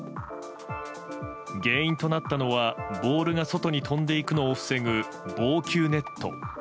原因となったのはボールが外に飛んでいくのを防ぐ、防球ネット。